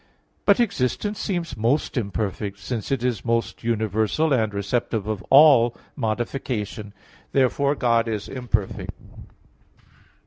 But existence seems most imperfect, since it is most universal and receptive of all modification. Therefore God is imperfect.